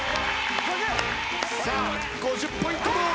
さあ５０ポイントどうだ？